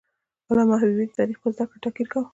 علامه حبیبي د تاریخ پر زده کړه تاکید کاوه.